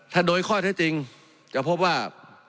ถ้าโดยข้อเท็จจริงจะพบว่า